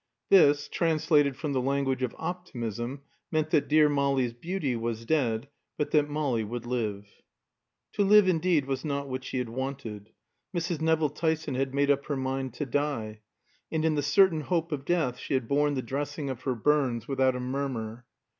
This, translated from the language of optimism, meant that dear Molly's beauty was dead, but that Molly would live. To live, indeed, was not what she had wanted. Mrs. Nevill Tyson had made up her mind to die; and in the certain hope of death she had borne the dressing of her burns without a murmur.